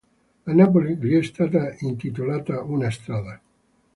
A Napoli gli è stata intitolata una strada.